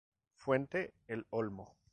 Fuente el olmo.